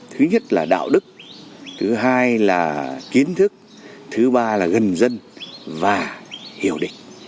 thứ nhất là đạo đức thứ hai là kiến thức thứ ba là gần dân và hiểu địch